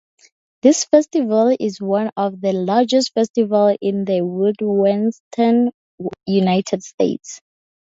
This festival is one of the larger festivals in the Midwestern United States.